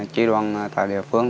chí đoàn tại địa phương